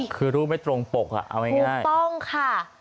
คือรู้ไม่ตรงปกอ่ะเอาง่ายถูกต้องค่ะ